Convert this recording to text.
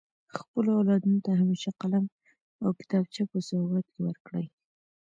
خپلو اولادونو ته همیشه قلم او کتابچه په سوغات کي ورکړئ.